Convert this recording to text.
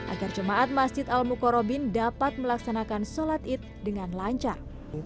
agar jemaat masjid al mukhorobin dapat melaksanakan sholat id dengan lancar